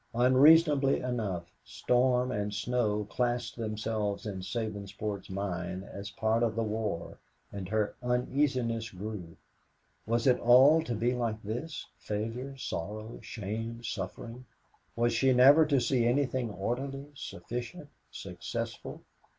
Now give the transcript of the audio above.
Unreasonably enough, storm and snow classed themselves in Sabinsport's mind as part of the war, and her uneasiness grew. Was it all to be like this failure, sorrow, shame, suffering? Was she never to see anything orderly, sufficient, successful?